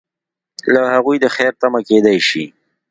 له هغوی د خیر تمه کیدای شي.